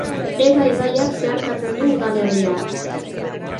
Ega ibaiak zeharkatzen du udalerria.